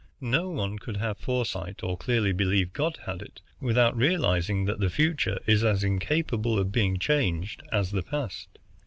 No one could have foresight, or clearly believe that God had it, without realizing that the future is as incapable of being changed as the past.